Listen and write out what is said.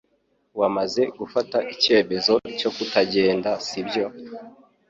Wamaze gufata icyemezo cyo kutagenda sibyo